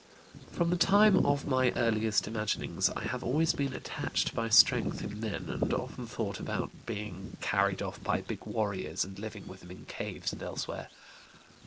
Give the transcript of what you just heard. "From the time of my earliest imaginings I have always been attached by strength in men and often thought about being carried off by big warriors and living with them in caves and elsewhere.